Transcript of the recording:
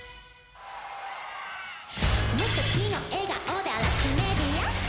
「無敵の笑顔で荒らすメディア」